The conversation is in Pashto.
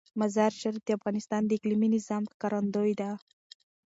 مزارشریف د افغانستان د اقلیمي نظام ښکارندوی ده.